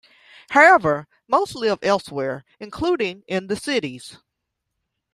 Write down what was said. However, most live elsewhere, including in the cities.